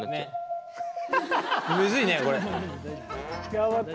頑張って。